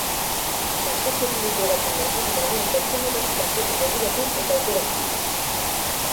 Sortze zurrunbilo baten barruan dagoen pertsona bati kanpotik begiratu eta aukerak eman.